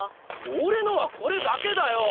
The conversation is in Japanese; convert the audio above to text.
俺のはこれだけだよ！